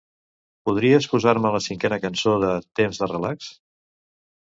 Podries posar-me la cinquena cançó de "Temps de relax"?